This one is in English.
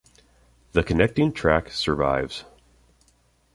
The connecting track survives.